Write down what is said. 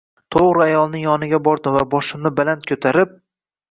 To`g`ri ayolning yoniga bordim va boshimni baland ko`tarib